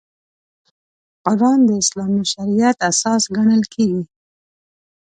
قران د اسلامي شریعت اساس ګڼل کېږي.